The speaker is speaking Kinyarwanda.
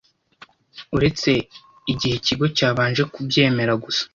Uretse igihe Ikigo cyabanje kubyemera gusa